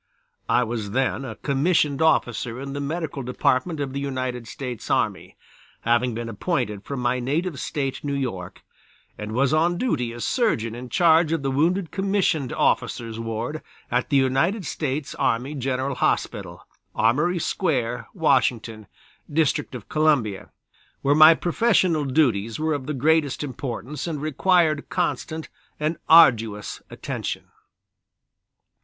I was then a Commissioned Officer in the Medical Department of the United States Army, having been appointed from my native State, New York, and was on duty as Surgeon in charge of the Wounded Commissioned Officers' Ward at the United States Army General Hospital, Armory Square, Washington, District of Columbia, where my professional duties were of the greatest importance and required constant and arduous attention.